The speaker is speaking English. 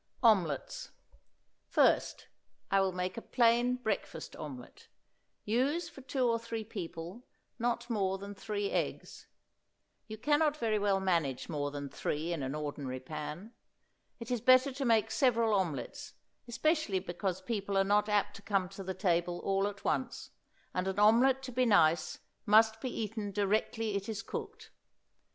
OMELETTES. First, I will make a plain breakfast omelette. Use for two or three people not more than three eggs. You can not very well manage more than three in an ordinary pan. It is better to make several omelettes, especially because people are not apt to come to the table all at once, and an omelette to be nice must be eaten directly it is cooked.